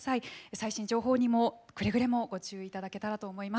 最新情報にもくれぐれもご注意いただけたらと思います。